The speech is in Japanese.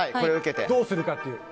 どうするかっていう。